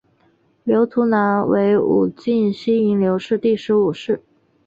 刘图南为武进西营刘氏第十五世。